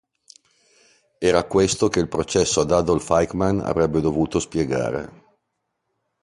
Era questo che il processo ad Adolf Eichmann avrebbe dovuto spiegare.